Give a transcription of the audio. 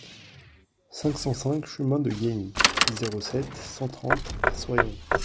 cinq cent cinq chemin de Geny, zéro sept, cent trente à Soyons